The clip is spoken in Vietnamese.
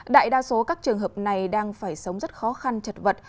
đại đa số các trường hợp này đang phải sống rất khó khăn chật vật